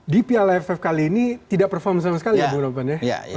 di piala aff kali ini tidak perform sama sekali ya bu ropan ya